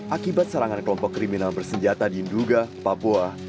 akibat serangan kelompok kriminal bersenjata di nduga papua